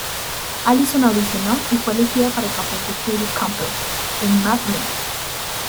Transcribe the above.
Alison audicionó y fue elegida para el papel de Trudy Campbell en "Mad Men".